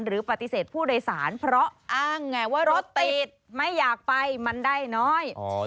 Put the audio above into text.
หรือปฏิเสธผู้โดยสารเพราะอ้างไงว่ารถติดไม่อยากไปมันได้น้อย